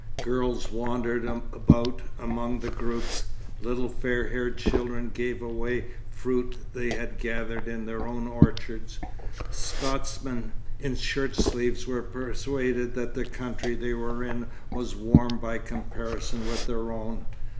Girls wandered about among the groups; little fair haired children gave away fruit they had gathered in their own orchards. Scotsmen in shirt sleeves were persuaded that the country they were in was warm by comparison with their own.